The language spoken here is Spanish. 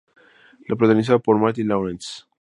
Protagonizada por Martin Lawrence.